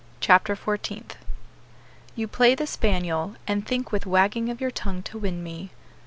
CHAPTER FOURTEENTH "You play the spaniel, And think with wagging of your tongue to win me."